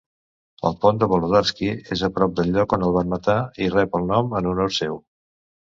El pont de Volodarsky és a prop del lloc on el van matar i rep el nom en honor seu.